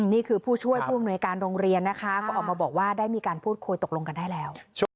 ผู้ช่วยผู้อำนวยการโรงเรียนนะคะก็ออกมาบอกว่าได้มีการพูดคุยตกลงกันได้แล้ว